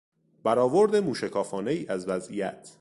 برآورد موشکافانهای از وضعیت